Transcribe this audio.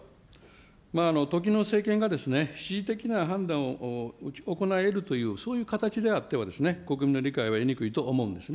時の政権が恣意的な判断を行えるという、そういう形であっては、国民の理解は得にくいと思うんですね。